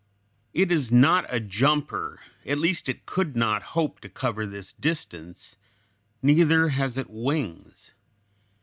It is not a jumper, at least it could not hope to cover this distance; neither has it wings.